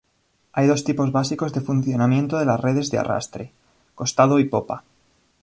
Hay dos tipos básicos de funcionamiento de las redes de arrastre: costado y popa.